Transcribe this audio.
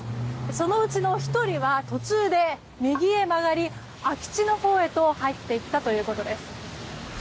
そのうちの１人は途中で右へ曲がり空き地のほうへと入っていったということです。